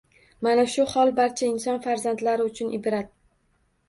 Mana shu hol – barcha inson farzandlari uchun ibrat.